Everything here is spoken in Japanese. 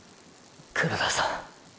黒田さん！！